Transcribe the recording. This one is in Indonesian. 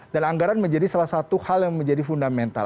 dan anggaran menjadi salah satu hal yang menjadi fundamental